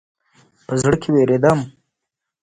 په زړه کې وېرېدم.